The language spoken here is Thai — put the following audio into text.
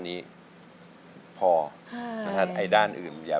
แหละคุณภาพแหละคุณภาพ